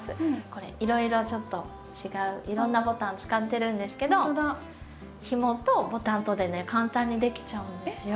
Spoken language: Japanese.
これいろいろちょっと違ういろんなボタン使ってるんですけどひもとボタンとでね簡単にできちゃうんですよ。